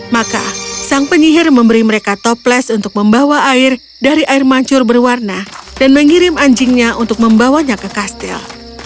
maka sang penyihir memberi mereka toples untuk membawa air dari air mancur berwarna dan mengirim anjingnya untuk membawanya ke kastil